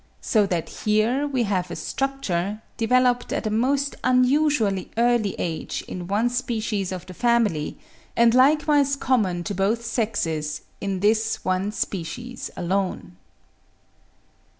So that here we have a structure, developed at a most unusually early age in one species of the family, and likewise common to both sexes in this one species alone.